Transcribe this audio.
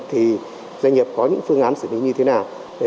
thì doanh nghiệp có những phương án xử lý như thế nào